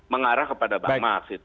mengarah kepada bang max